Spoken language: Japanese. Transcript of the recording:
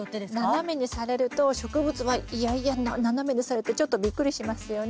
斜めにされると植物は嫌々斜めにされてちょっとびっくりしますよね。